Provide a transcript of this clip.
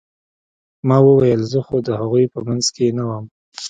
ما وويل زه خو د هغوى په منځ کښې نه وم.